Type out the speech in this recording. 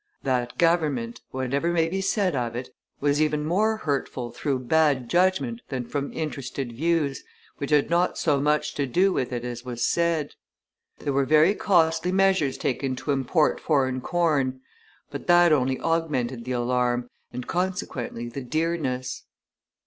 That government, whatever may be said of it, was even more hurtful through bad judgment than from interested views, which had not so much to do with it as was said. There were very costly measures taken to import foreign corn; but that only augmented the alarm, and, consequently, the dearness.